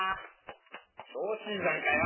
調子いいじゃんかよ！